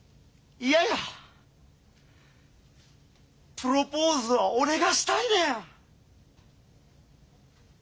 プロポーズは俺がしたいねん！